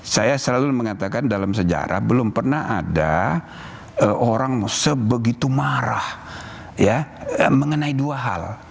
saya selalu mengatakan dalam sejarah belum pernah ada orang sebegitu marah ya mengenai dua hal